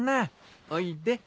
おいで。